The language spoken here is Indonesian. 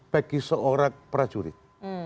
bagi seorang prajurit